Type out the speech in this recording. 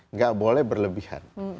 nggak boleh berlebihan